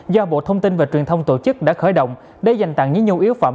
do bộ thông tin và truyền thông tổ chức đã khởi động để dành tặng những nhu yếu phẩm